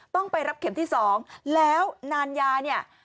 ต้องไปรับเข็มที่๒แล้วนานยาเนี่ย